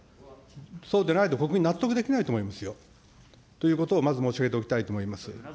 そうでないと国民、納得できないと思いますよ。ということを、まず申し上げておきたいと思います。